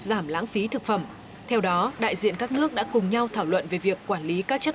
giảm lãng phí thực phẩm theo đó đại diện các nước đã cùng nhau thảo luận về việc quản lý các chất